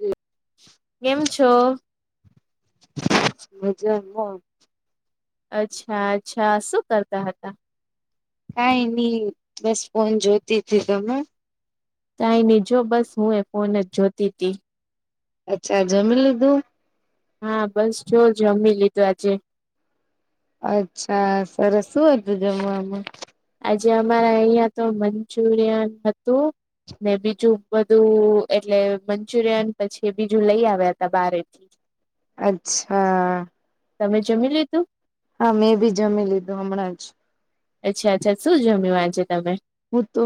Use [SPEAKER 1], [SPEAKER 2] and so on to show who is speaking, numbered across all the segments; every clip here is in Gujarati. [SPEAKER 1] બસ
[SPEAKER 2] કેમ છો?
[SPEAKER 1] મજામાં.
[SPEAKER 2] અચ્છા અચ્છા શું કરતા હતા?
[SPEAKER 1] કાંઈ ની બસ ફોન જોતી હતી. તમે?
[SPEAKER 2] કાંઈ ની જો બસ હું એ ફોન જ જોતી હતી.
[SPEAKER 1] અચ્છા જમી લીધું?
[SPEAKER 2] હા બસ જો જમી લીધું આજે.
[SPEAKER 1] અચ્છા સરસ. શું હતું જમવામાં?
[SPEAKER 2] આજે અમારા અહીંયા તો મંચુરિયન હતું. ને બીજું બધું એટલે મંચુરિયન પછી બીજું લઈ આવ્યા હતા બારે. [inaudible]
[SPEAKER 1] અચ્છા.
[SPEAKER 2] તમે જમી લીધું?
[SPEAKER 1] હા મેં ભી જમી લીધું હમણાં જ.
[SPEAKER 2] અચ્છા અચ્છા. શું જમ્યુ આજે તમે?
[SPEAKER 1] હું તો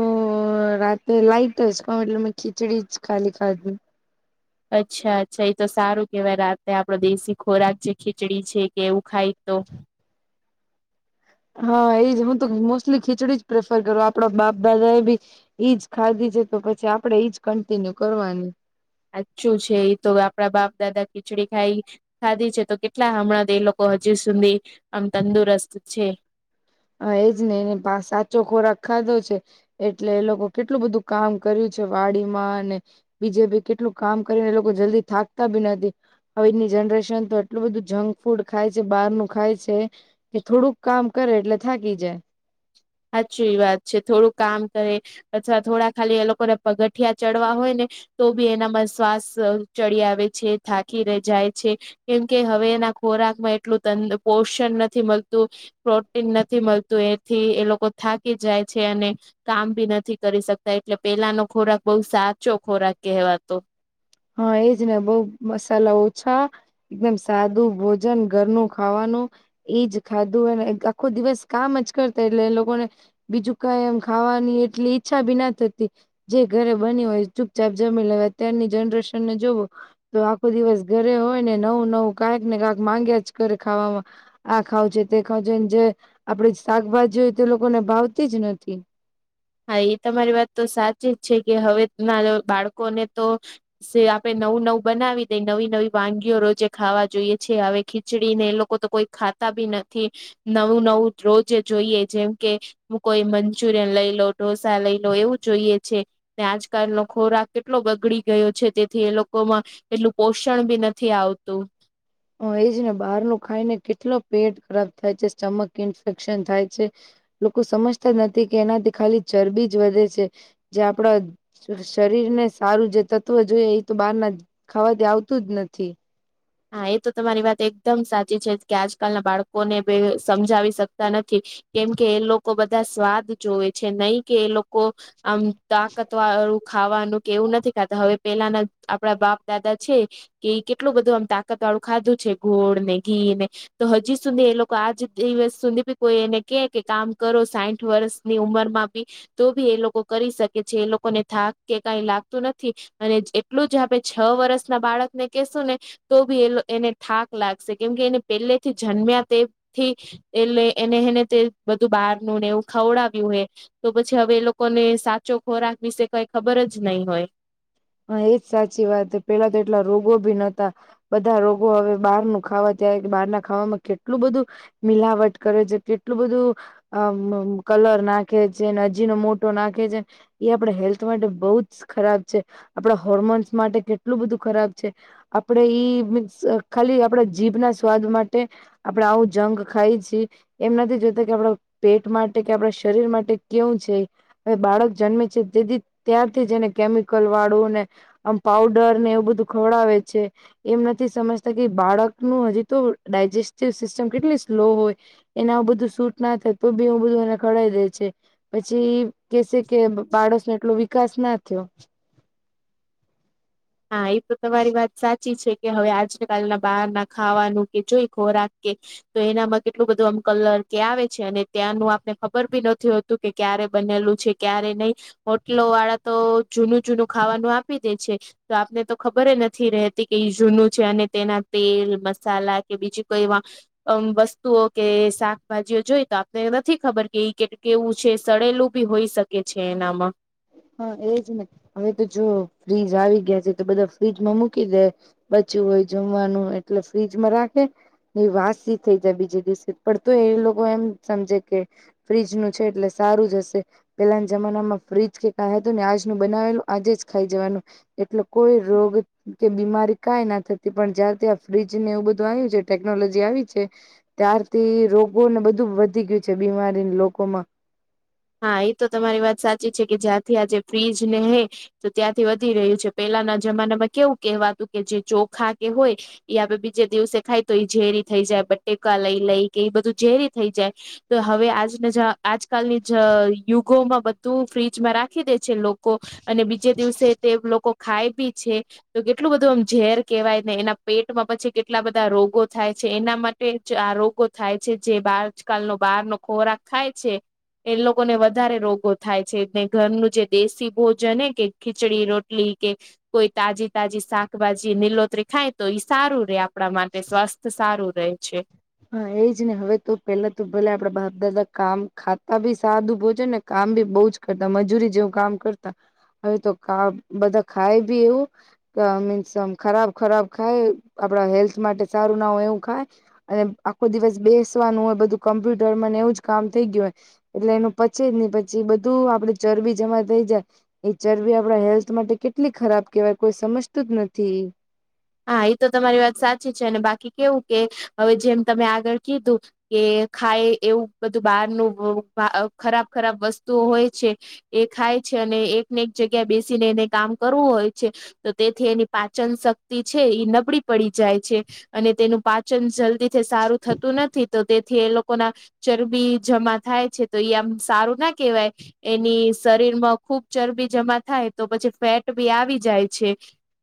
[SPEAKER 1] રાતે લાઈટ જ ખાઉ એટલે મેં ખીચડી જ ખાલી ખાધી.
[SPEAKER 2] અચ્છા અચ્છા એતો સારું કેવાય રાતે આપડો દેશી ખોરાક જે ખીચડી છે કે એવું ખાય તો
[SPEAKER 1] હા એજ હું તો મોસ્ટલી ખીચડી જ પ્રેફર કરું આપડા બાપ દાદા એ બી ઈજ ખાધી છે તો પછી આપડે ઈજ કન્ટિન્યુ કરવાની.
[SPEAKER 2] સાચું છે એ તો આપડા બાપ દાદા ખીચડી ખાઈ ખાધી છે તો કેટલા હમણાં એ લોકો હજુ સુધી આમ તંદુરસ્ત છે.
[SPEAKER 1] હા એજ ને તે સાચો ખોરાક ખાધો છે. એટલે એ લોકોએ કેટલું બધું કામ કર્યું છે. વાડીમાં અને બીજે બી કેટલુંક કામ કરીને એ લોકો જલ્દી થાકતા બી નથી. આજની જનરેશન તો એટલું બધું જંગ ફૂડ ખાય છે બહાર નું ખાય છે. એ થોડુંક કામ કરે એટલે થાકી જાય.
[SPEAKER 2] હાચી વાત છે. થોડું કામ કરે અથવ થોડા ખાલી એ લોકોને પગથિયાં ચડવા હોય ને તો બી એનામાં શ્વાસ ચડી આવે છે થાકી જાય છે. કેમકે હવેના ખોરાકમાં એટલું તન પોષણ નથી મળતું. પ્રોટીન નથી મળતું એથી એ લોકો થાકી જાય છે. અને કામબી નથી કરી શકતાં. એટલે પેલાનો ખોરાક બઉ સાચો ખોરાક કહેવાતો.
[SPEAKER 1] હા એજને બઉ મસાલા ઓછા એકદમ સાદું ભોજન ઘરનું ખાવાનું એજ ખાધું હોય અને આખો દિવસ કામ જ કરતા એટલે એ લોકોને બીજું કઈ એમ ખાવાની એટલી ઈચ્છા બી ન થતી. જે ઘરે બન્યું હોય ચૂપચાપ જમી લેવા અત્યારની જનરેશન ને જોવો - તો આખો દિવસ ઘરે હોય અને નવું નવું ક્યાંક ને કાંક માંગ્યા જ કરે ખાવામાં. આ ખાવું છે, તે ખાવું છે, જેમ જે આપડી શાકભાજી હોય તે લોકોને ભાવતી જ નથી.
[SPEAKER 2] હા એ તમારી વાત તો સાચી જ છે કે હવે નાના બાળકોને તો સે આપે નવું નવું બનાવી દેય નવી નવી વાનગીઓ રોજે ખાવા જોઈએ છે. આવી ખીચડી ને એ લોકો તો કોઈ ખાતા બી નથી. નવું નવું રોજે જ જોઈએ જેમ કે મુ કોઈ મંચુરિયન લઈ લો ઢોસા લઈ લો એવું જોઈએ છે. ને આજકાલ ખોરાક કેટલો બગડી ગયો છે. તેથી એ લોકોમાં એટલું પોષણ બી નથી આવતું.
[SPEAKER 1] હ એજ ને બારનુ ખાઈને કેટલો પેટ ખરાબ થાય છે સ્ટમક ઇન્ફેક્શન થાય છે. લોકો સમજતા નથી કે એનાથી ખાલી ચરબી જ વધે છે. જે આપડા શરીર ને સારું જે તત્વ જોઈએ એતો બારના ખાવાથી આવતું જ નથી.
[SPEAKER 2] હા એ તો તમારી વાત એકદમ સાચી છે કે આજકાલના બાળકોને બી સમજાવી શકતા નથી. કેમકે એ લોકો બધા સ્વાદ જોવે છે નહીં કે એ લોકો કો અમ તાકતવાર ખાવાનું કે એવું નથી ખાતા હવે પેલાના આપડા બાપ દાદા છે કે કેટલું બધું આમ તાકાત વાળું ખાધું છે ઘોળ ને ઘી ને તો હજી સુધી એ લોકો આજ દિવસ સુધી ભી કોઈ એને કે કે કામ કરો સાઠ વર્ષ ની ઉંમર માં બી તો ભી એ લોકો કરી શકે છે એ લોકોને થાક કે કઈ લાગતું નથી અને એટલું જ આપણે છ વર્ષ ના બાળક ને કશું ને તો બી એ એને થાક લાગશે કેમકે એને પહેલેથી જન્મ્યા તેથી એટલે એને હને તે બધું બહારનું ને એવું ખવડાવ્યું હોય તો પછી હવે એ લોકોને સાચો ખોરાક વિશે કઈ ખબર જ નહીં હોય
[SPEAKER 1] હા એજ સાચી વાત પેલા તો એટલા રોગો ભી નતા બધા રોગો હવે બહાર ન ખાવા ત્યારે બહાર ના ખાવામાં કેટલું બધું મિલાવટ કરે છે એટલું બધું અમ કલર નાખે છેને હજીનો મોટો નાખે છે એ આપડા હેલ્થ માટે બહુ જ ખરાબ છે આપડા હોર્મોન્સ માટે કેટલું બધું ખરાબ છે આપણે ઈીસ ખાલી આપડા જીભ ના સ્વાદ માટે આપડે આવું જંગ ખાય છે. એમ નથી જોતા કે આપણા પેટ માટે કે આપણા શરીર માટે કેવું છે. હવે બાળક જન્મે છે તે ત્યારથી જ એને કેમિકલ વાળું ને આમ પાઉડર ને એવું બધું ખવડાવે છે. એમ નથી સમજતા કે બાળકનું હજી તો ડાયજેસ્ટિવ સિસ્ટમ કેટલી સ્લો હોય એના બધું સૂટ ના થાય તો બી બધું એને ખઢાવી દે છે પછી કેસે કે બાડોસ નો એટલો વિકાસ ના થયો.
[SPEAKER 2] હા એ તો તમારી વાત સાચી છે. કે હવે આજ કલના બહાર ના ખાવાનું કે જોઈ ખોરાક કે તો એનામાં કેટલું બધું આમ કલર કે આવે છે અને ત્યાંનું આપને ખબર ભી નથી હો તું કે ક્યારે બનેલું છે ક્યારે નહી હોટલો વાળા તો જૂનું જૂનું ખાવાનું આપી દે છે. તો આપને તો ખબર નથી રહેતી કે જૂનું છે અને તેના તેલ મસાલા કે બીજી કોઈ અમ વસ્તુઓ કે શાકભાજીઓ જોઈ તો આપને નથી ખબર કે કેટ કેવું છે સળેલું બી હોઈ શકે છે એનામાં.
[SPEAKER 1] હા એજ ને હવે તો જો ફ્રીજ આવી ગયા છે તો બધા ફ્રીજમાં મૂકી દે બચ્યું હોય જમવાનું એટલે ફ્રીજમાં રાખે ઈ વાસી થઈ જાય બીજે દિવસે પણ તો એ લોકો એમ સમજે કે ફ્રીજ નું છે એટલે સારું જ હશે પેલાના જમાનામાં ફ્રીજ કે તો ને આજનું બનાવેલું આજે જ ખાઈ જવાનું એટલે કોઈ રોગ કે બીમારી કાઈ ના થતી પણ જ્યાર થી આ ફ્રીજ ને એવું બધું આવ્યું છે ટેકનોલોજી આવી છે ત્યારથી રોગોને બધું વધી ગયું છે બીમારી લોકો માં.
[SPEAKER 2] હા એ તો તમારી વાત સાચી છે કે જ્યાંથી આ જે ફ્રીજ ને હે તો ત્યાંથી વધી રહ્યું છે. પેલાના જમાનામાં કેવું કહેવાતું કે જે ચોખા કે હોય એઈ આપે બીજે દિવસે ખાય તો ઝેરી થઈ જાય બટેકા લઈ લઈ કે એ બધું ઝેરી થઈ જાય તો હવે આજ આજકાલની જ યુગોમાં બ ઘુ ફ્રીજમાં રાખી દે છે લોકો અને બીજે દિવસે તે લોકો ખાય બી છે. તો કેટલું બધું આમ ઝેર કેવાય ને એના પેટમાં પછી કેટલા બધા રોગો થાય છે એનામાં આ રોગો થાય છે જે આજકાલનો બહાર નો ખોરાક ખાય છે એ લોકો ને વધારે રોગો થાય છે ને ઘરનું જે દેશી ભોજન કે ખીચડી રોટલી કે કોઈ તાજી તાજી શાકભાજી નીલોતરી ખાય તો ઈ સારું રે આપ પણા માટે સ્વાસ્થ સારું રહે છે.
[SPEAKER 1] હા એજ ને હવે તો પેલા તો ભલે આપડા બાપ દાદા કામ ખાતા ભી સાદું ભોજન છે ને કામ બી બહુ જ કરતા મજૂરી જેવું કામ કરતા હવે તો ક બધા ખાય બી એવું અ મીન્સ ખરાબ ખરાબ ખાય આપણા હેલ્થ માટે સારું ના હોય એવું ખાય અને આખો દિવસ બેસવાનું હોય બધું કમ્પ્યુટર ને એવું જ કામ થઈ ગયું હોય. એટલે એનું પચે જ ની પછી બધું આપડે ચરબી જમા થઈ જાય. એ ચરબી આપડા હેલ્થ માટે કેટલી ખરાબ કેવાય કોઈ સમજતું જ નથી.
[SPEAKER 2] હા એ તો તમારી વાત સાચી છે અને બાકી કેવું કે હવે જેમ તમે આગળ કીધું કે ખાય એવું બધું બહારનું ખરાબ ખરાબ વસ્તુ હોય છે. એ ખાય છે અને એકને એક જગ્યા બેસીને એને કામ કરવું હોય છે. તો તેથી એની પાચન શ ક્તિ છે એ નબળી પડી જાય છે અને તેનું પાચન જલ્દીથી સારું થતું નથી તો તે થી એ લોકો ના ચરબી જમા થાય છે તો એ આમ સારું ના કેહેવાય. એની શરીર માં ખુબ ચરબી જમા થાય તો પછી ફેટ બી આવી જાય છે.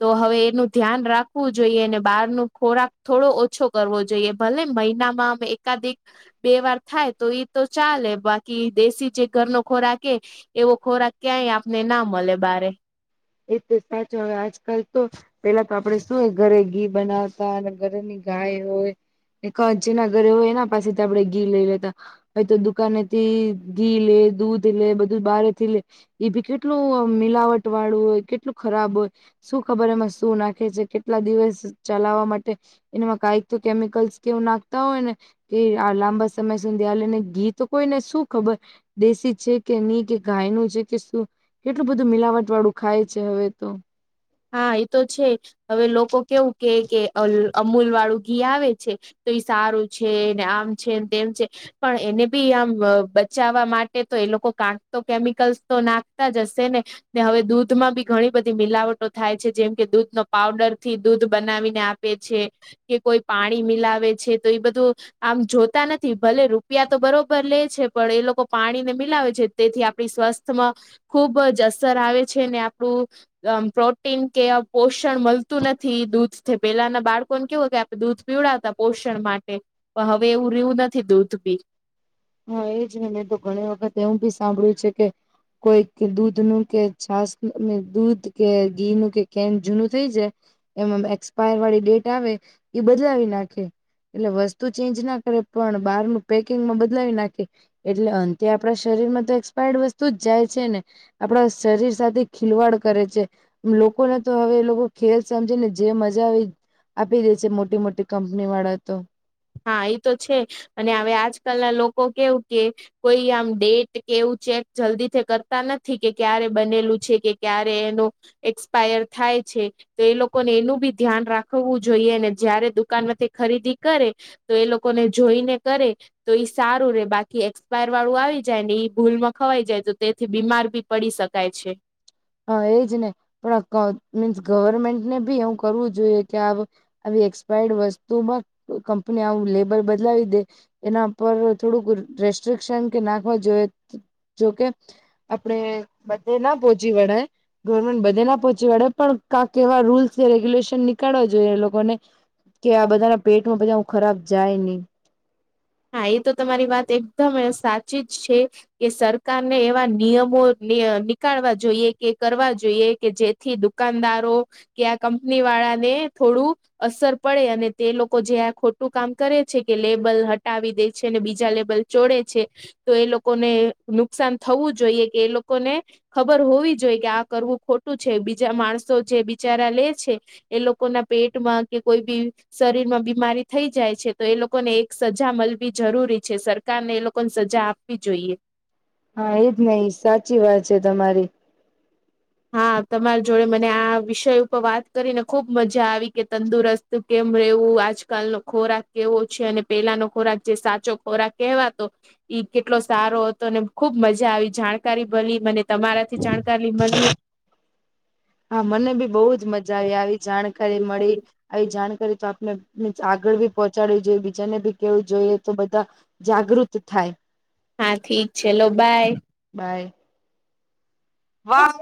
[SPEAKER 2] તો હવે એનું ધ્યાન રાખવું જોઈએ અને બહાર નો ખોરાક થોડો ઓછો કર વો જોઈએ ભલે મહિનામાં અમે એકાદિક બે વાર થાય તો એ તો ચાલે બાકી દેશી જે ઘરનો ખોરાક એ એવો ખોરાક ક્યાય આપને ના મલે બારે
[SPEAKER 1] એ તો સાચો હવે આજકાલ તો પેલા તો આપડે શું હોય ઘરે ઘી બનાવતા અને ઘરેની ગાય હોય ને કચ નગર એના પાછસેથી આપડે ગીર લઈ લેતા હવે તો દુકાનેથી ઘી લે દૂધ લે બધું બહારે થી લે એ ભી કેટલું મિલાવટ વાળું હોય કેટલું ખરાબ હોય. શું ખબર એમાં શું નાખે છે, કેટલા દિવસ ચલાવવા માટે એનામાં કાઈક તો કેમિકલ્સ કેવું નાખતા હોય ને કે આ લાંબા સમય સુધી આલેને ગીત કોઈ ને શું ખબર દેશી છે, કે ની કે ગાય નું છે, કે શું કેટલું બધું મિલાવટ વાળું ખાય છે, હવે તો
[SPEAKER 2] હા એ તો છે, હવે લોકો કેવું કે કે અ અમૂલ વાળું ઘી આવે છે. તે સારું છે, ને આમ છેને તેમ છે. પણ એને બી આમ અ બચાવવા માટે તો એ લોકો કાંક તો કેમિકલ્સ તો નાખતા જ હશે ને ને હવે દૂધમાં બી ઘણી બધી મિલાવટો થાય છે, જેમ કે દૂધ નો પાવડર થી દૂધ બનાવીને આપે છે. કે કોઈ પાણી મિલાવે છે, તો એ બધું આમ જોતા નથી ભલે રૂપિયા તો બરોબર લે છે, પણ એ લોકો પાણીને મિલાવે છે. તેથી આપણી સ્વાસ્થ્યમાં ખુબ જ અસર આવે છે, ને આપણું પ્રો ટીન કે પોષણ મલતું નથી દૂધ પેલાના બાળકોને કેવું કે આપણે દૂધ પીવડાતા પોષણ માટે પણ હવે એવું રેવું ન થી દૂધ પી
[SPEAKER 1] હ એજ ને મેં તો ઘણી વખત એવું ભી સાંભળ્યું છે, કે કોઈ દૂધ નું કે છાસ દૂધ કે ઘી નું કેન જૂનું થઈ જાય એમાં એક્સપાયર વાળી ડેટ આવે એ બદલાવી નાખે એટલે વસ્તુ ચેન્જના કરે પણ બહારનુ પેકિંગમાં બદલાવી નાખે એટલે અંતે આપણા શરીર માંતો એક્સપાયર્ડ વસ્તુ જ જાય છે, ને આપણા શરીર સાથે ખિલવાડ કરે છે. લોકોને તો હવે એ લોકો ખેલ સમજે ને જે મજા આવે આપી દે છે, મોટી મોટી કંપની વાળા તો
[SPEAKER 2] હા એ તો છે, અને હવે આજકાલના લોકો કેવું કે કોઈ આમ ડેટ કે એવું ચેક જલ્દીથી કરતા નથી કે ક્યારે બનેલું છે, કે ક્યારે એનું એક્સપાયર થાય છે. તે એ લોકોને એનું બી ધ્યાન રાખવું જોઈએ જયારે દુકાન માંથી ખરીદી કરે તો એ લોકોને જોઈને કરે તો એ સારું રે બાકી એક્સપાયર વાળું આવી જાય ને એ ભૂલમાં ખવાઈ જાય તો તેથી બીમાર બી પડી શકાય છે.
[SPEAKER 1] હ એજ ને પણ ક મીન્સ ગવર્મેન્ટને બી એવુ કરવું જોઈએ કે આ આવી એક્સપાયર્ડ વસ્તુમાં કંપની આવું લેબલ બદલાવી દે એના પર થોડુંક રેસ્ટ્રિકશન કે નાખવા જોઈએ જોકે આપડે બધે ના પોચી વળાય ગવર્મેન્ટ બધે ના પહોંચી વડે પણ કાક એવા રૂલ્સ કે રેગ્યુલેશન નીકાળવા જોઈએ એ લોકોને કે આ બધાના પેટમાં બધા ખરાબ જાય ની
[SPEAKER 2] હા એ તો તમારી વાત એકદમ સાચી જ છે, કે સરકારને એવા નિયમો ની નીકાળવા જોઈએ કે કરવા જોઈએ કે જેથી દુકાનદારો કે આ કંપની વાળાને થોડું અસર પડે અને તે લોકો જે આ ખોટું કામ કરે છે, કે લેબલ હ ટાવી દે છે, અને બીજા લેબલ ચોડે છે. તો એ લોકોને નુકસાન થવું જોઈએ કે એ લોકોને ખબર હોવી જોઈ કે આ કરવું ખોટું છે, બીજા માણસો જે બિચારા લે છે. એ લોકો ના પેટમાં કે કોઈ બી શરીરમાં બીમારી થઈ જાય છે તો એ લોકોને એકસ સજા મળવી જરૂરી છે સરકારને એ લોકોને સજા આપવી જોઈએ.
[SPEAKER 1] હા એજ ને સાચી વાત છે તમારી.
[SPEAKER 2] હા તમારી જોડે મને આ વિષય ઉપર વાત કરીને ખુબ મજા આવી કે તંદુરસ્ત તો કેમ રહેવું આજકાલનો ખોરાક કેવો છે અને પેલાનો ખોરાક જે સાચો ખોરાક કહેવાતો. ઈ કેટલો સારો હતો ને ખુબ મજા આવી જાણકારી મલી મને તમારાથી જાણકારી મલી.
[SPEAKER 1] હા મને ભી બહુજ મજા આવી આવી જાણકારી મળી. આવી જાણકારી તો આપને આગળ ભી પહોંચાડવી જોઈએ બીજાને ભી કેવું જોઈએ તો બધા જાગૃત થાય.
[SPEAKER 2] હા ઠીક છે લો બાય.
[SPEAKER 1] બાય. વાહ.